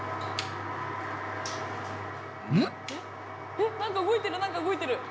えっ何か動いてる何か動いてる！